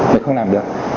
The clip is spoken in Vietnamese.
thì không làm được